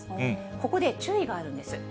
ここで注意があるんです。